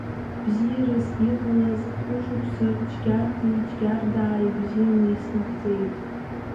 Бзиарас иҟалаз хәышықәса Џьгьардаеи Џьгьардааи ибзианы иснарҵеит.